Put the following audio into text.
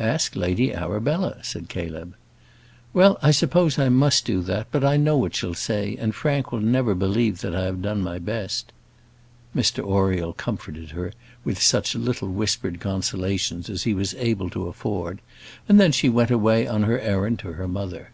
"Ask Lady Arabella," said Caleb. "Well, I suppose I must do that; but I know what she'll say, and Frank will never believe that I have done my best." Mr Oriel comforted her with such little whispered consolations as he was able to afford, and then she went away on her errand to her mother.